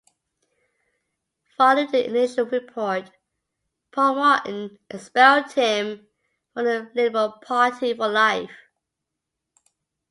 Following the initial report, Paul Martin expelled him from the Liberal Party for life.